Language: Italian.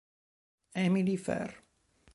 Émilie Fer